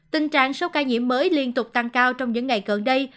tình trạng số ca nhiễm mới liên tục tăng cao trong những ngày gần đây